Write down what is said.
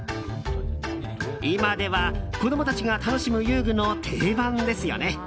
今では、子供たちが楽しむ遊具の定番ですよね。